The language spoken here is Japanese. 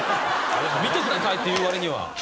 「見てください」って言う割には。